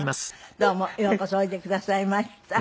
どうもようこそおいでくださいました。